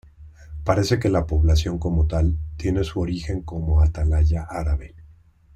Parece que la población como tal, tiene su origen como atalaya árabe.